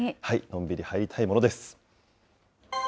のんびり入りたいものです。